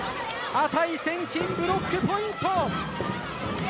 値千金、ブロックポイント！